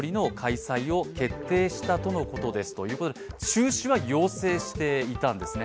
中止は要請していたんですね。